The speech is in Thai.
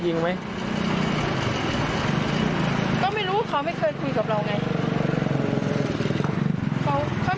เดี๋ยวมึงก็รู้ใครจะอยู่ใครจะไป